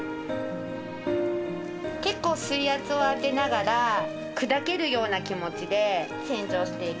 結構水圧を当てながら砕けるような気持ちで洗浄していきます。